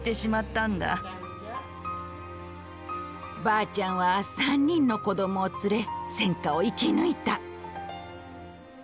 ばあちゃんは３人の子供を連れ戦火を生き抜いた。